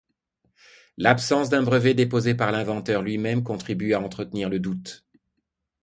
L'absence d'un brevet déposé par l'inventeur lui-même contribue à entretenir le doute.